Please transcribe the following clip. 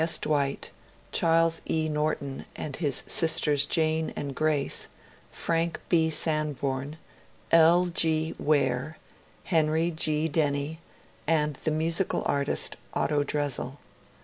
S. Dwight, Charles E. Norton and his sisters Jane and Gb*ace, Frank B. Sanborn, L. G. Ware, Henry G. Denny, and the musical artist Otto Dresel.